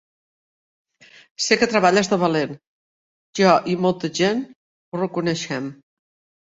Sé que treballes de valent, jo i molta gent ho reconeixem.